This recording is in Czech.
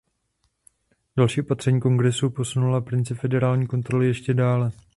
Další opatření Kongresu posunula princip federální kontroly ještě dále.